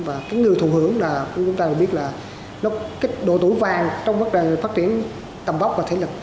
và người thù hưởng là chúng ta biết là độ tủ vàng trong vấn đề phát triển tầm vóc và thể lực